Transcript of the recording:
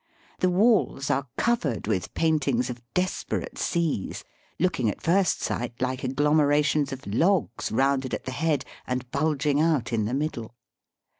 The walls are covered with paintings of desperate seas, look ing at first sight like agglomerations of logs rounded at the head and bulging out in the middle.